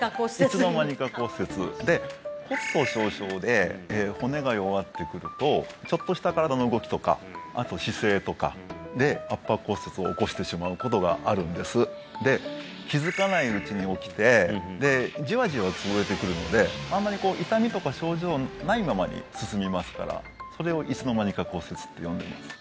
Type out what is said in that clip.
いつの間にか骨折で骨粗しょう症で骨が弱ってくるとちょっとした身体の動きとかあと姿勢とかで圧迫骨折を起こしてしまうことがあるんですで気づかないうちに起きてじわじわ潰れてくるのであんまり痛みとか症状ないままに進みますからそれをいつの間にか骨折って呼んでます